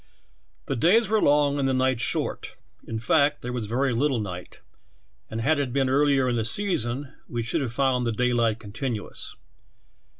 "The days were long and the nights short; in fact, there was very little night, and had it been earlier in the season we should have found the daylight continuous.